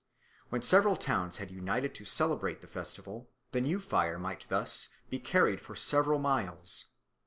When several towns had united to celebrate the festival, the new fire might thus be carried for several miles.